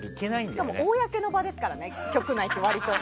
しかも公の場ですからね局内って、割と。